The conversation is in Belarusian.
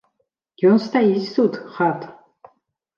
Ён стаіць тут, гад.